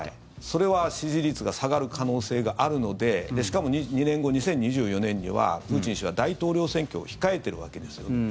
それは支持率が下がる可能性があるのでしかも２年後、２０２４年にはプーチン氏は大統領選挙を控えているわけですよね。